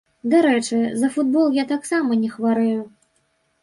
Дарэчы, за футбол я таксама не хварэю.